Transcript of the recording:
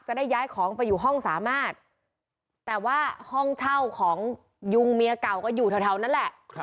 จะได้ย้ายของไปอยู่ห้องสามารถแต่ว่าห้องเช่าของยุงเมียเก่าก็อยู่แถวนั้นแหละ